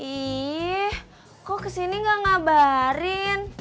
ih kok kesini gak ngabarin